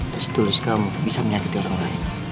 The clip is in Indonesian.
terus tulus kamu bisa menyakiti orang lain